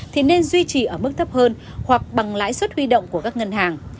thì nên duy trì ở mức thấp hơn hoặc bằng lãi suất huy động của các ngân hàng